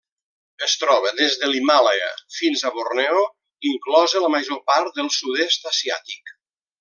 Es troba des de l'Himàlaia fins a Borneo, inclosa la major part del sud-est asiàtic.